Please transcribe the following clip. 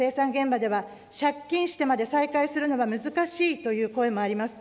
高齢化する生産現場では、借金してまで再開するのは難しいという声もあります。